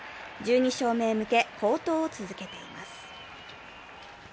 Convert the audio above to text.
１２勝目へ向け好投を続けています。